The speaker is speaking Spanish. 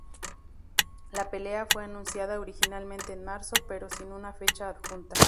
La pelea fue anunciada originalmente en marzo, pero sin una fecha adjunta.